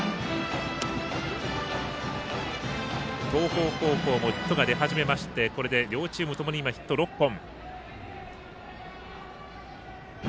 東邦高校もヒットが出始めましてこれで両チームともにヒット６本。